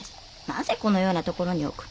「なぜこのようなところに置く。